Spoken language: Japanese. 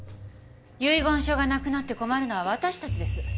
遺言書がなくなって困るのは私たちです。